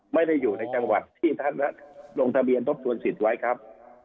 ไม่ได้อยู่ในจังหวัดที่ท่านลงทะเบียนทบทวนสิทธิ์ไว้ครับ